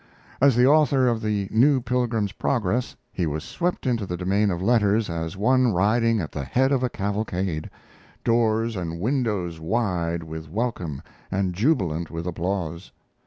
As the author of The New Pilgrim's Progress he was swept into the domain of letters as one riding at the head of a cavalcade doors and windows wide with welcome and jubilant with applause.